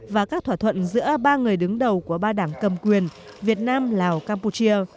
và các thỏa thuận giữa ba người đứng đầu của ba đảng cầm quyền việt nam lào campuchia